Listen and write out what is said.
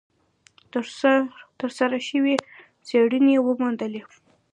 ترسره شوې څېړنې وموندلې،